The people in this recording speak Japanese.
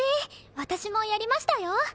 私もやりましたよ。